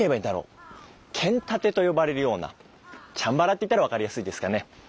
剣殺陣と呼ばれるようなチャンバラって言ったら分かりやすいですかね。